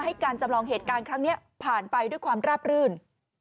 การจำลองเหตุการณ์ครั้งนี้ผ่านไปด้วยความราบรื่น